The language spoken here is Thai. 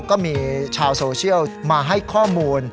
ก็มีชาวโซเชียลมาให้ข้อมูล